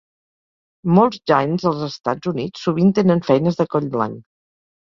Molts jains als estats units sovint tenen feines de coll blanc.